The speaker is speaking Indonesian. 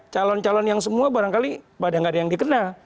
calon calon yang semua barangkali pada nggak ada yang dikenal